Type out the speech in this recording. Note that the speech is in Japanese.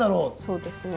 そうですね。